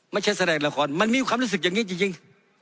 แสดงละครมันมีความรู้สึกอย่างนี้จริง